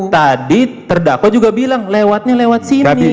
tadi terdakwa juga bilang lewatnya lewat sini